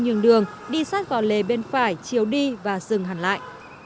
nhường đường đi sát vào lề bên phải chiều đi và dừng hẳn lại